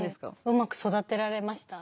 うまく育てられました？